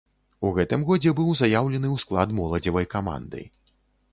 У гэтым годзе быў заяўлены ў склад моладзевай каманды.